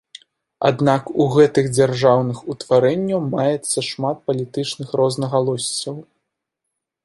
Аднак у гэтых дзяржаўных утварэнняў маецца шмат палітычных рознагалоссяў.